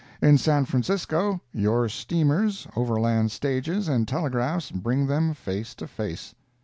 In San Francisco, your steamers, overland stages and telegraphs bring them face to face.